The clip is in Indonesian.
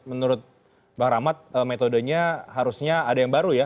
menurut mbak ramad metodenya harusnya ada yang baru ya